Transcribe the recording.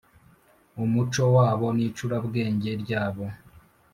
umuco wabo n icurabwenge ryabo